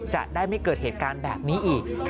จะได้ไม่เกิดเหตุการณ์แบบนี้อีก